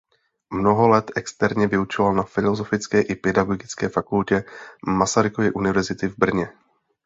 Mnoho let externě vyučoval na filozofické i pedagogické fakultě Masarykovy univerzity v Brně.